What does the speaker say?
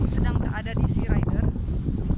sedang berada di sea rider